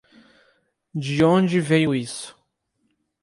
De onde veio isso?